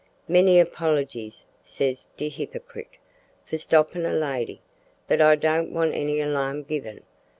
`Many apologies,' ses de hipperkrit `for stoppin' a lady, but I don't want any alarm given.